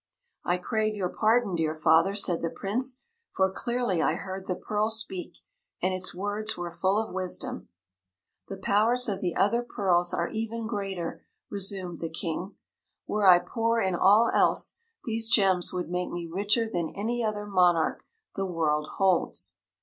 "I crave your pardon, dear father," said the Prince, "for clearly I heard the pearl speak, and its words were full of wisdom." "The powers of the other pearls are even greater," resumed the King. "Were I poor in all else, these gems would make me richer than any other monarch the world holds."